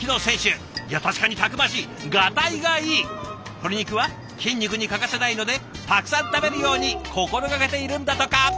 鶏肉は筋肉に欠かせないのでたくさん食べるように心がけているんだとか。